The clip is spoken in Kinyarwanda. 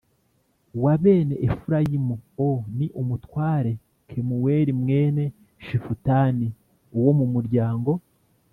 Wa bene efurayimu o ni umutware kemuweli mwene shifutani uwo mu muryango